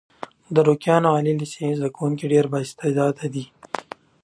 د روکيان عالي لیسې زده کوونکي ډېر با استعداده دي.